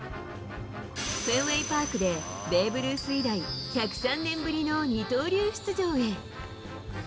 フェンウェイパークでベーブ・ルース以来、１０３年ぶりの二刀流出場へ。